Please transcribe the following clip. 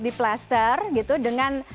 diplaster gitu dengan